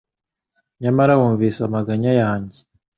Nyamara wumvise amaganya yanjye